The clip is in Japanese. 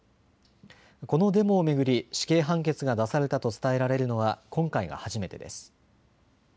このデモを巡り死刑判決が出されたと伝えられるのは今回が初めてです。